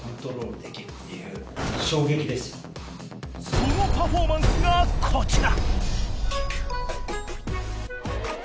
そのパフォーマンスがこちら